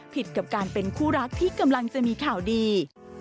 ผิดกับการเป็นคู่รักที่กำลังจะมีข่าวดี